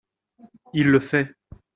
Il le fait